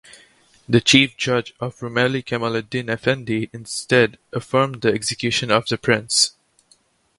The Chief Judge of Rumeli Kemaleddin Efendi instead affirmed the execution of the prince.